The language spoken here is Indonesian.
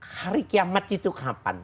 hari kiamat itu kapan